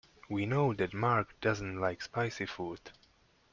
We know that Mark does not like spicy food.